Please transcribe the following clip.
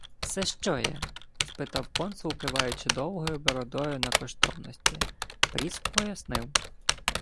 — Се що є? — спитав консул, киваючи довгою бородою на коштовності. Пріск пояснив.